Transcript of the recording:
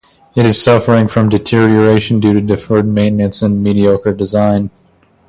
It is suffering from deterioration due to deferred maintenance and mediocre design.